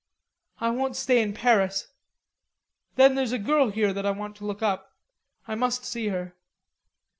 I won't stay in Paris. Then there's a girl here I want to look up. I must see her."